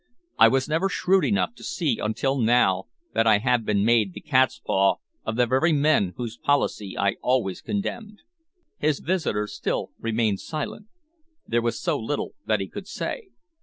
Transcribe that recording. I was never shrewd enough to see until now that I have been made the cat's paw of the very men whose policy I always condemned." His visitor still remained silent. There was so little that he could say.